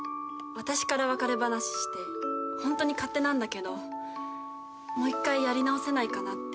私から別れ話してホントに勝手なんだけどもう一回やり直せないかなって。